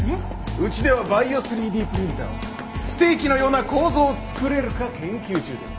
うちではバイオ３Ｄプリンターを使ってステーキのような構造を作れるか研究中です。